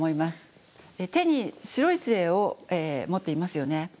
手に白い杖を持っていますよね。